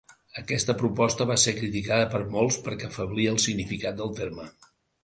Aquesta proposta va ser criticada per molts perquè afeblia el significat del terme.